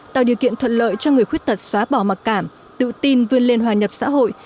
tạo điều kiện thuận lợi cho người khuyết tật xóa bỏ mặc cảm tự tin vươn lên hòa nhập xã hội